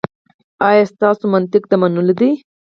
ایا ستاسو منطق د منلو دی؟